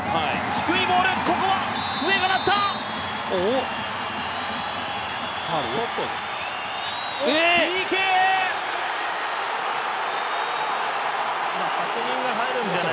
低いボール、ここは笛が鳴った。